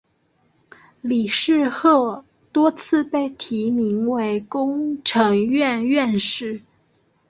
李世鹤多次被提名为工程院院士。